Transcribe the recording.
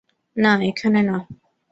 না, এখানে না।